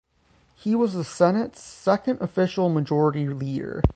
He was the Senate's second official majority leader.